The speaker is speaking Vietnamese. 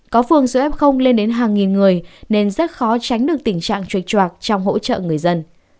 có phường số f lên đến hàng nghìn người nên rất khó tránh được tình trạng trục trạc trong hỗ trợ người dân